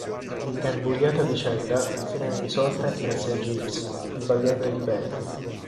L'ingarbugliata vicenda sarà risolta grazie a Jeeves, il valletto di Bertie.